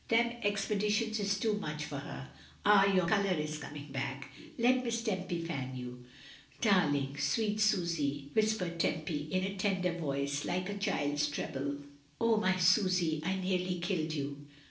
"Them expeditions is too much for her! Ah! your colour is coming back, let Miss Tempy fan you." "Darling, sweet Susy," whispered Tempy, in a tender voice, like a child's treble. "Oh, my Susy, I nearly killed you."